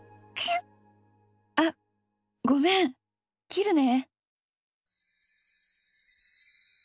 ・あごめん切るね。